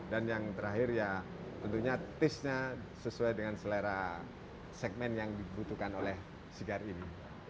dan yang terakhir ya tentunya taste nya sesuai dengan selera segmen yang dibutuhkan oleh cigar ini